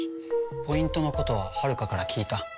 ポイントのことははるかから聞いた。